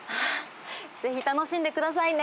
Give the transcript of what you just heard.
ぜひ楽しんでくださいね。